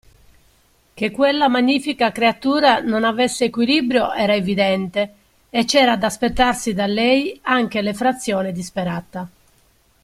Che quella magnifica creatura non avesse equilibrio era evidente e c'era da aspettarsi da lei anche l'effrazione disperata.